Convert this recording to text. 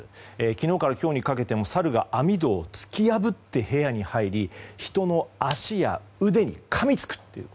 昨日から今日にかけてもサルが網戸を突き破って部屋に入り人の足や腕にかみつくという。